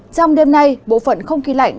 trong đêm nay bộ phận không khí lạnh